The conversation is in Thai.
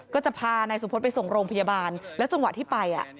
ก็จะพานายสุพศไปส่งโรงพยาบาลแล้วจังหวะที่ไป